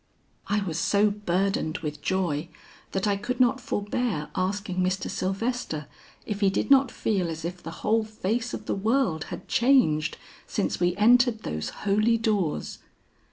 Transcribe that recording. "I was so burdened with joy that I could not forbear asking Mr. Sylvester if he did not feel as if the whole face of the world had changed since we entered those holy doors.